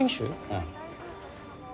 うん。